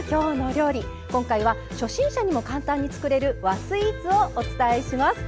今回は初心者にも簡単につくれる和スイーツをお伝えします。